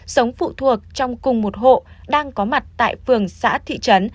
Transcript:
sống phụ thuộc trong cùng một hộ đang có mặt tại phường xã thị trấn